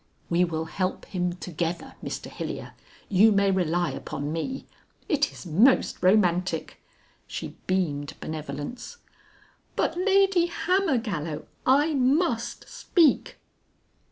"We will help him together, Mr Hilyer. You may rely upon me. It is most romantic." She beamed benevolence. "But, Lady Hammergallow, I must speak!"